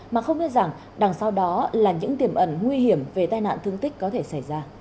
mà không biết rằng đằng sau đó là những tiềm ẩn nguy hiểm về tai nạn thương tích có thể xảy ra